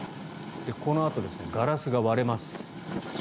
このあとガラスが割れます。